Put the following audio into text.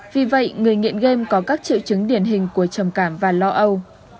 vì vậy người nghiện game có các triệu chứng điển hình của trầm cảm và lo âu